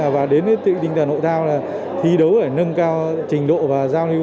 và đến tình trạng hội thao là thi đấu để nâng cao trình độ và giao lưu